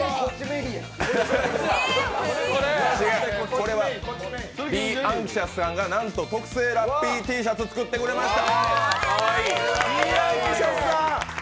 これはｂｅａｎｘｉｏｕｓさんがなんと特製ラッピーＴシャツ作ってくれました！